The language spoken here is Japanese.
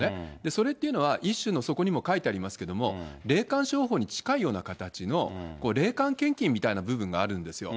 それっていうのは、一種のそこにも書いてありますけれども、霊感商法に近いような形の、霊感献金みたいな部分があるんですよ。